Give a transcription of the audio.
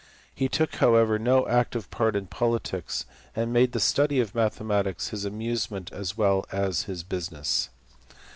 He took however no active part in politics, and made the study of mathematics his amuse ment as well as his business.